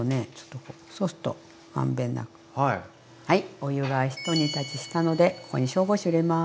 お湯がひと煮立ちしたのでここに紹興酒入れます。